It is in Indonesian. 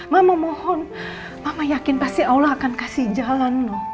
mama mohon mama yakin pasti allah akan kasih jalan loh